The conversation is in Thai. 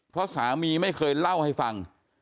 เพราะสามีไม่เคยเล่าให้ฟัง